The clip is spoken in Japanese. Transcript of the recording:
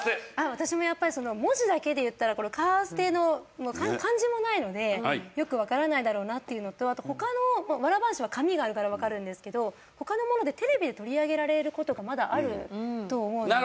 私もやっぱり文字だけでいったらカーステの漢字もないのでよくわからないだろうなっていうのとあと他のわら半紙は紙があるからわかるんですけど他のものでテレビで取り上げられる事がまだあると思うんで。